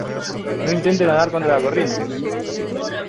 no intente nadar contra la corriente.